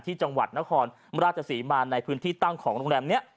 จังหวัดนครราชศรีมาในพื้นที่ตั้งของโรงแรมนี้